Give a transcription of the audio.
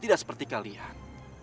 tidak seperti kalian